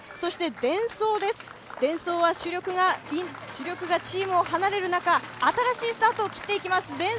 デンソーは主力がチームを離れる中、新しいスタートを切っていきます。